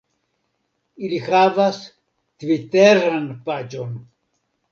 Ili havas tviteran paĝon